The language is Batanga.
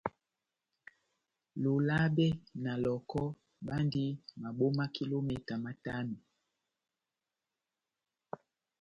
Lolabe na Lɔhɔkɔ bandi maboma kilometa matano.